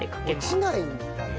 落ちないんだね。